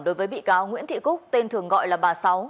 đối với bị cáo nguyễn thị cúc tên thường gọi là bà sáu